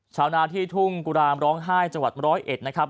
ชาวนาที่ทุ่งกุรามร้องไห้จังหวัดร้อยเอ็ดนะครับ